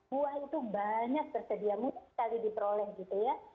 buah itu banyak tersedia mudah sekali diperoleh gitu ya